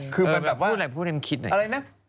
คือแบบว่า